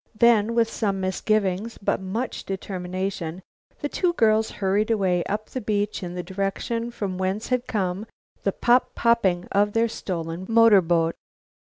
Then, with some misgivings but much determination, the two girls hurried away up the beach in the direction from whence had come the pop popping of their stolen motorboat.